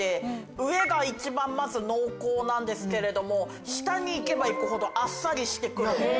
上が一番まず濃厚なんですけれども下に行けば行くほどあっさりして来る。